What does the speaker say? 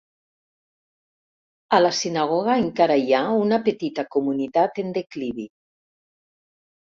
A la sinagoga encara hi ha una petita comunitat en declivi.